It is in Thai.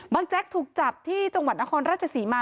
แจ๊กถูกจับที่จังหวัดนครราชศรีมา